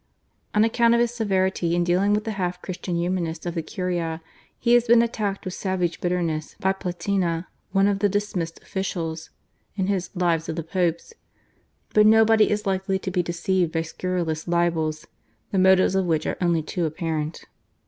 On account of his severity in dealing with the half Christian Humanists of the Curia he has been attacked with savage bitterness by Platina, one of the dismissed officials, in his /Lives of the Popes/, but nobody is likely to be deceived by scurrilous libels, the motives of which are only too apparent.